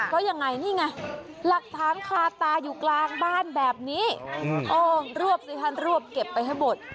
เพราะยังไงนี่ไงหลักฐานคาตาอยู่กลางบ้านแบบนี้โอ้รวบสิทันรวบเก็บไปให้หมด